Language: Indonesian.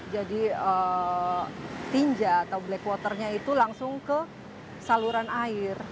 jadi tinja atau blackwater nya itu langsung ke saluran air